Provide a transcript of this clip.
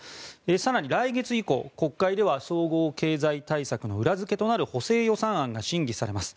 更に来月以降、国会では総合経済対策の裏付けとなる補正予算案が審議されます。